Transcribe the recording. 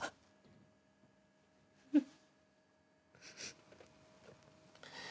うん。